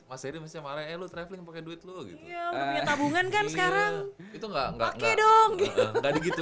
masih masih marah lu traveling pakai duit lu gitu tabungan kan sekarang itu enggak enggak enggak gitu